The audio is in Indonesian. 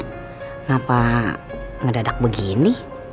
kenapa ngedadak begini